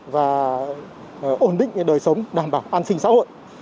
và ổn định đời sống đảm bảo an sinh xã hội